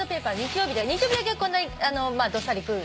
日曜日だけこんなにどっさり来る。